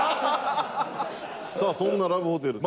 さあそんなラブホテル。